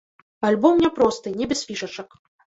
Альбом няпросты, не без фішачак.